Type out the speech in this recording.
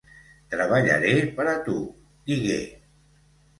"Treballaré per a tu", digué.